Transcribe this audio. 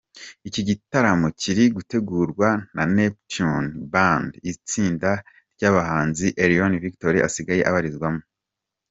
Iki gitaramo kiri gutegurwa na Neptunez Ban, itsinda ry’abahanzi Elion Victory asigaye abarizwamo.